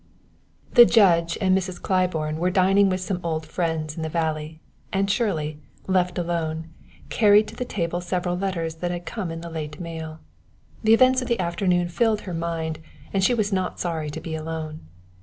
The Judge and Mrs. Claiborne were dining with some old friends in the valley, and Shirley, left alone, carried to the table several letters that had come in the late mail. The events of the afternoon filled her mind, and she was not sorry to be alone.